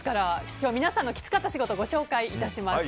今日は皆さんのきつかった仕事をご紹介いたします。